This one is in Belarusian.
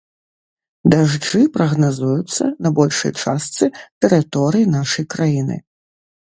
Дажджы прагназуюцца на большай частцы тэрыторыі нашай краіны.